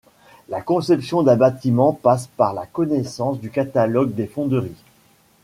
La conception d'un bâtiment passe par la connaissance du catalogue des fonderies.